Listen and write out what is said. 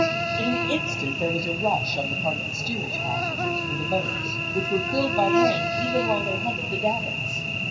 In an instant there was a rush on the part of the steerage pas sengers for the boats, which were filled by men even while they hung at the davits.